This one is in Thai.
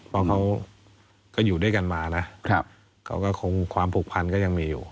เพราะเขาก็อยู่ด้วยกันมานะเขาก็คงความผูกพันก็ยังมีอยู่